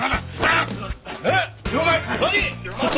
えっ！？